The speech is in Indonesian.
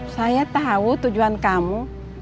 saya tahu tujuan kamu